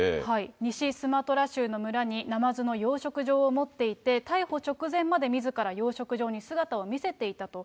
西スマトラ州の村にナマズの養殖場を持っていて、逮捕直前までみずから養殖場に姿を見せていたと。